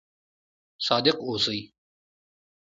صادق اوسئ